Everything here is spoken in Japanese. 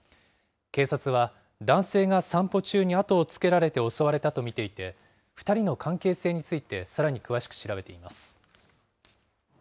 警察は、男性が散歩中に後を付けられて襲われたと見ていて、２人の関係性について、さらに詳しく調べています。